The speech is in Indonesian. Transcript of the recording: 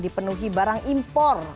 dipenuhi barang impor